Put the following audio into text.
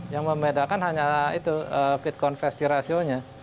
yang membedakan hanya itu feed conversion ratio nya